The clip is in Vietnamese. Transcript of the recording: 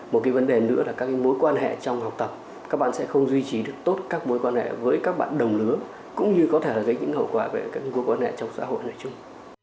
một cái vấn đề nữa là các mối quan hệ trong học tập các bạn sẽ không duy trì được tốt các mối quan hệ với các bạn đồng lứa cũng như có thể là gây những hậu quả về các mối quan hệ trong xã hội nói chung